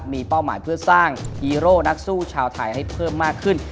มีเป้าหมายเพื่อสร้างฮีโร่นักสู้ชาวไทยให้เพิ่มมากขึ้น